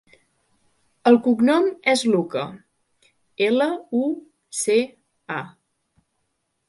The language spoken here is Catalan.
El cognom és Luca: ela, u, ce, a.